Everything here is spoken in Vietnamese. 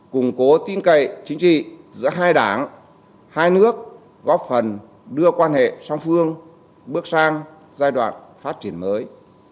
củng cố tin cậy chính trị giữa hai đảng hai nước góp phần đưa quan hệ song phương bước sang giai đoạn phát triển mới